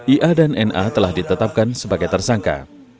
ia dan na telah ditetapkan sebagai tersangka